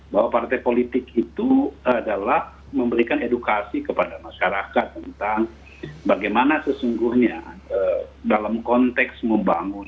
bahwa partai politik itu adalah memberikan edukasi kepada masyarakat tentang bagaimana sesungguhnya dalam konteks membangun